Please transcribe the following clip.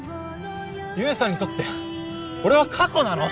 悠さんにとって俺は過去なの？